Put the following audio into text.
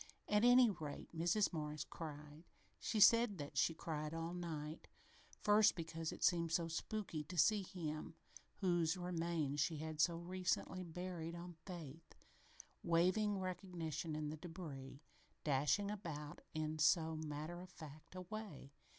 At any rate, Mrs. Morris cried. She said that she cried all night, first because it seemed so spooky to see him whose remains she had so recently buried on faith, waiving recognition in the débris, dashing about now in so matter of fact a way.